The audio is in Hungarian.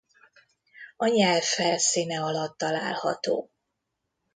A nyelv felszíne alatt található.